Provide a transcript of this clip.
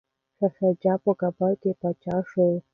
شاه شجاع په کابل کي پاچا شو.